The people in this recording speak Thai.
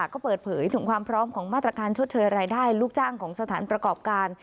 ก็เปิดเผยถึงความพร้อมของมาตรการชดเชยรายได้ลูกจ้างของสถานประกอบการ